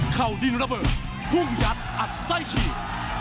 เข้าดินระเบิดพุ่งยัดอัดไส้ฉีด